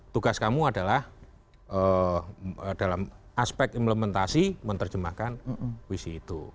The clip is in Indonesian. tugas kamu adalah dalam aspek implementasi menerjemahkan puisi itu